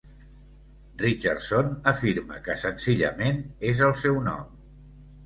Richardson afirma que senzillament és el seu nom.